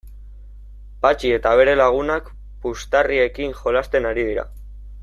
Patxi eta bere lagunak puxtarriekin jolasten ari dira.